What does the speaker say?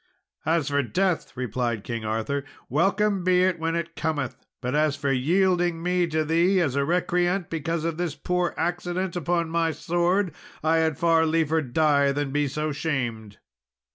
"As for death," replied King Arthur, "welcome be it when it cometh; but as for yielding me to thee as a recreant because of this poor accident upon my sword, I had far liefer die than be so shamed."